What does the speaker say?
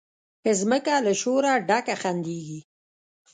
مځکه له شوره ډکه خندیږي